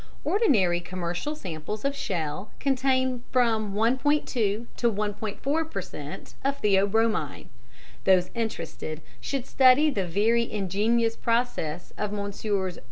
Ordinary commercial samples of shell contain from 1.2 to 1.4 per cent. of theobromine. Those interested should study the very ingenious process of Messrs.